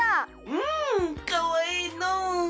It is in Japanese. うんかわええのう！